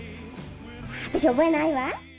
私覚えないわ。